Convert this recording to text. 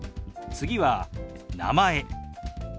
次は「名前」。